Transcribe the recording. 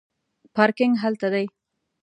پارکینګ هلته دی